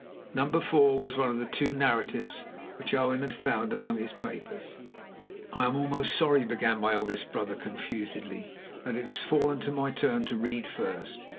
Number Four was one of the two narratives which Owen had found among his own papers. "I am almost sorry," began my eldest brother, confusedly, "that it has fallen to my turn to read first.